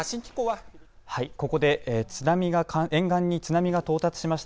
ここで沿岸に津波が到達しました。